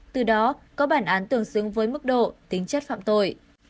từ đó có bản án tương xứng với mức độ tính chất phạm tội